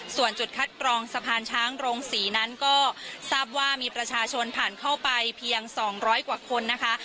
ส่วนจุดคัดกรองสะพานช้างโรงศรีนั้นก็ทราบว่ามีประชาชนผ่านเข้าไปเพียง๒๐๐กว่าคนนะคะ